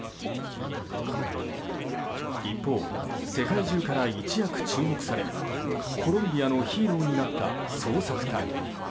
一方、世界中から一躍注目されコロンビアのヒーローになった捜索隊。